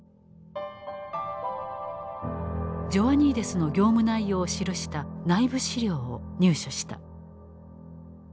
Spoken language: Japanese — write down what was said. ジョアニーデスの業務内容を記した内部資料を入手した。